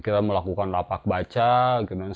kita melakukan lapak baca dengan sepeda motor gitu